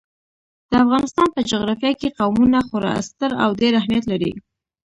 د افغانستان په جغرافیه کې قومونه خورا ستر او ډېر اهمیت لري.